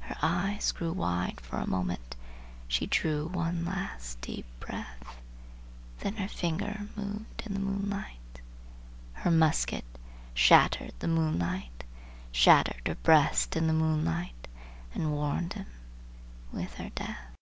Her eyes grew wide for a moment, she drew one last deep breath, Then her finger moved in the moonlight Her musket shattered the moonlight Shattered her breast in the moonlight and warned him with her death.